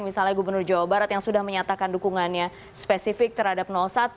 misalnya gubernur jawa barat yang sudah menyatakan dukungannya spesifik terhadap satu